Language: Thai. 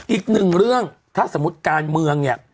อีกหนึ่งเรื่องถ้าสมมุติการเมืองเนี่ย